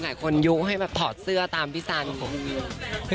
หลายคนยุ้งให้มาถอดเสื้อตามพี่สันนี่